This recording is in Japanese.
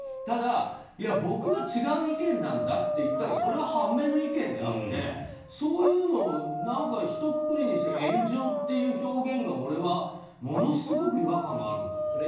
ただ、僕は違う意見なんだって言ったらそれは反面の意見であってそういうのをひとくくりにして炎上という表現が俺はものすごく違和感があるんだけど。